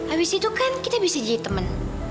abis itu kan kita bisa jadi teman